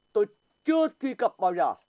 tôi chưa truy cập bao giờ